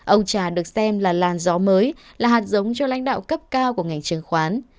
ông trà được xem là làn gió mới là hạt giống cho lãnh đạo cấp cao của ngành chứng khoán